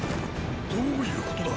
どういうことだ